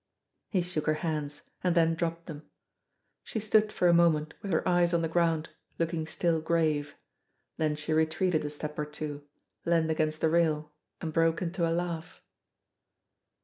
He shook her hands, and then dropped them. She stood for a moment with her eyes on the ground, looking still grave. Then she retreated a step or two, leaned against the rail, and broke into a laugh.